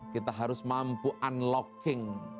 kita harus mampu unlocking